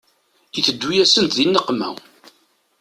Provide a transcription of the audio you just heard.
Iteddu-yasent di nneqma.